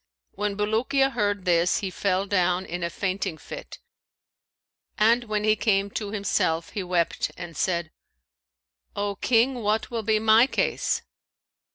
When Bulukiya heard this, he fell down in a fainting fit, and when he came to himself, he wept and said, 'O King what will be my case?'